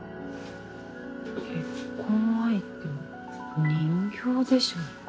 結婚相手は人形でしょうか？